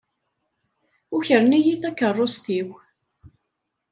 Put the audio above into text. Ukren-iyi takeṛṛust-iw.